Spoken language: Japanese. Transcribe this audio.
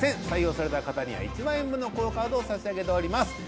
採用された方には１万円分のＱＵＯカードを差し上げております